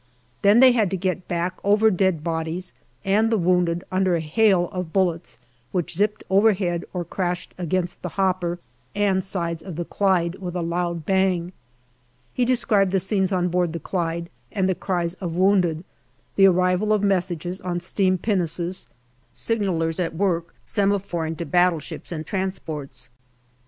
Then they had to get back over dead bodies and the wounded under a hail of bullets, which zipped overhead or crashed against the hopper and sides of the Clyde with a loud bang. He described the scenes on board the Clyde t and the cries of wounded ; the arrival of messages on steam pinnaces, signallers at work semaphoring to battleships and trans ports.